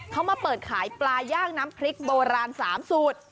เขามาเปิดขายปลาย่างน้ำพริกโบราณ๓สูตร